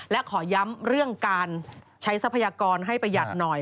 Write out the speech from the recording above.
และขอย้ำเรื่องการใช้ทรัพยากรให้ประหยัดหน่อย